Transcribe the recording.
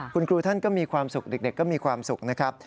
คุณครูท่านก็มีความสุขเด็กก็มีความสุขนะครับ